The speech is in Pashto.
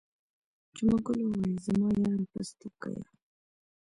جمعه ګل وویل زما یاره پستکیه.